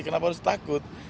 kenapa harus takut